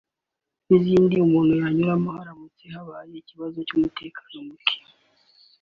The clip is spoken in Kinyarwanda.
n’izindi umuntu yanyuramo haramutse habaye ikibazo cy’umutekano muke